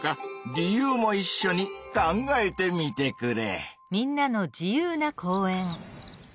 理由もいっしょに考えてみてくれ。